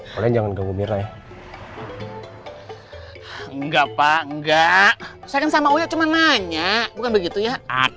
jangan jangan enggak enggak enggak enggak cuma nanya bukan begitu ya